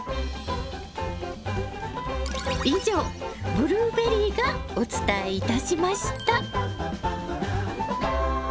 以上ブルーベリーがお伝えいたしました。